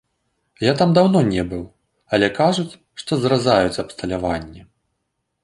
Я там даўно не быў, але кажуць, што зразаюць абсталяванне.